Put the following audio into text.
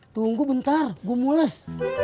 tunggu bentar gue mulas